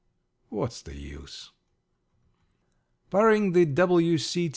What's the use?" Barring the W.